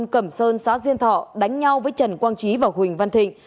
cẩm sơn xã diên thọ đánh nhau với trần quang trí và huỳnh văn thịnh